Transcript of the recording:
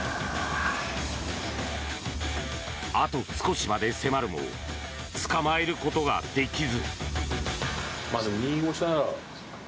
あと少しまで迫るも捕まえることができず。